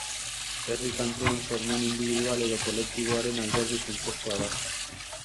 Herri kantuan sormen indibidual edo kolektiboaren alderdi funtsezkoa da.